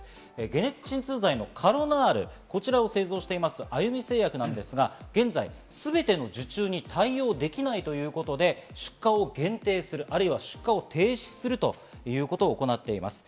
解熱鎮痛剤のカロナール、こちらを製造している、あゆみ製薬ですが、現在全ての受注に対応できないということで、出荷を限定する、あるいは出荷を停止するということを行っています。